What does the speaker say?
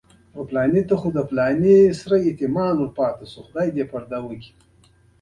لوکوموتیو چې ګڼې ډبې پرې تړلې وې.